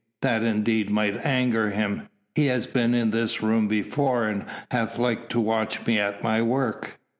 That indeed might anger him. He has been in this room before and hath liked to watch me at my work.